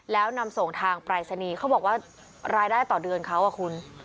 แล้วนำส่งทางปรายศนีย์เขาบอกว่ารายได้ต่อเดือนเขาอ่ะคุณ